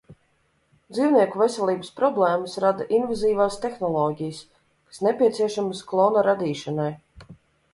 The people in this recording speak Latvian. Dzīvnieku veselības problēmas rada invazīvās tehnoloģijas, kas nepieciešamas klona radīšanai.